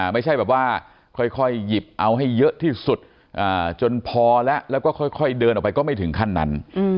ไม่ใช่แบบว่าค่อยหยิบเอาให้เยอะที่สุดจนพอแล้วแล้วก็ค่อยเดินออกไปก็ไม่ถึงขั้นนั้น